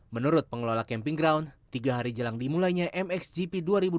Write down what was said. menurut pengelola camping ground tiga hari jelang dimulainya mxgp dua ribu dua puluh